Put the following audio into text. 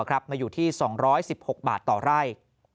มาอยู่ที่๒๑๖บาทต่อไร่